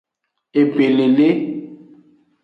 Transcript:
Ebelele.